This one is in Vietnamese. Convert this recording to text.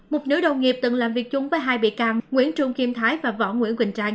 một nữ đồng nghiệp từng làm việc chung với hai bị can nguyễn trung kim thái và võ nguyễn quỳnh trang